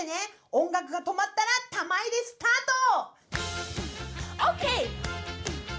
音楽が止まったら玉入れスタート！